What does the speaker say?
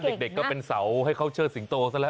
เด็กก็เป็นเสาให้เขาเชิดสิงโตซะแล้ว